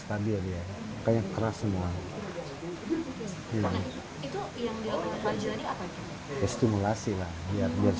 timenyaede fin disitu masih sangat lebih months